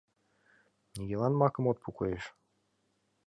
Нигӧлан макым от пу, коеш.